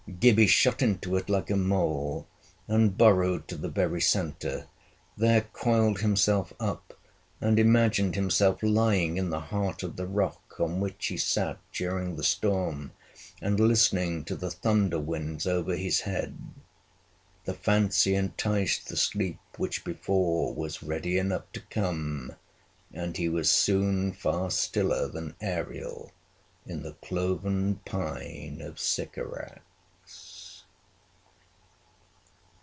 Gibbie shot into it like a mole, and burrowed to the very centre, there coiled himself up, and imagined himself lying in the heart of the rock on which he sat during the storm, and listening to the thunder winds over his head. The fancy enticed the sleep which before was ready enough to come, and he was soon far stiller than Ariel in the cloven pine of Sycorax.